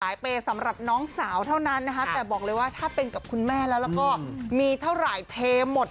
สนใจซ้ายเพจสำหรับน้องสาวเท่านั้นแต่บอกเลยถ้าเป็นคุณแม่แล้วก็เทหมด